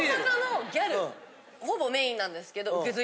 ほぼメインなんですけど。